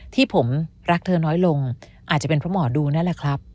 ที่ผมรักเธอน้อยลงอาจจะเป็นเพราะหมอดูนั่นแหละครับ